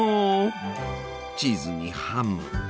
チーズにハム。